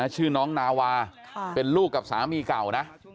ชื่อน้องนาวาเป็นลูกกับสามีเก่านะ